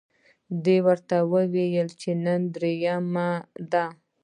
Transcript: دوی ورته وویل چې نن درېیمه ده.